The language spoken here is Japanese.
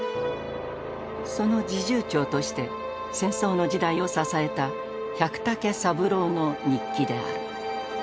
その侍従長として戦争の時代を支えた百武三郎の日記である。